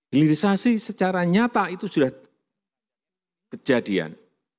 hilirisasi secara nyata itu sudah kejadian